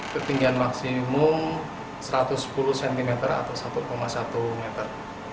ketinggian maksimum satu ratus sepuluh cm atau satu satu meter